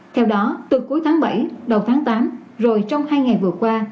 theo đó từ cuối tháng bảy đầu tháng tám rồi trong hai ngày vừa qua